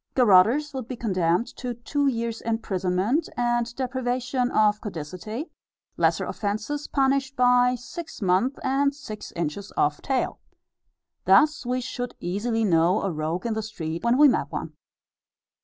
Garotters would be condemned to "Two years' imprisonment and deprivation of caudicity." Lesser offences punished by "Six months, and six inches off tail." Thus we should easily know a rogue in the street, when we met one.